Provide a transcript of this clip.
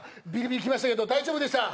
今、来ましたけど、大丈夫でした？